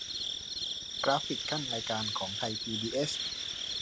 กราฟิกคั่นรายการของไทยพีบีเอส